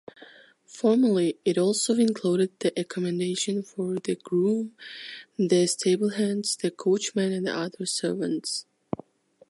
Formerly it also included the accommodation for the groom, the stablehands, the coachmen and other servants.